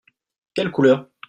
Quelle couleur ?